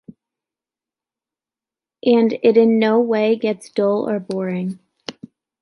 And it in no way gets dull or boring.